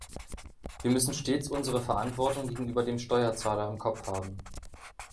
Wir müssen stets unsere Verantwortung gegenüber dem Steuerzahler im Kopf haben.